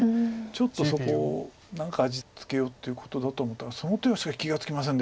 ちょっとそこを何か味付けようっていうことだと思ったらその手はしかし気が付きませんでした。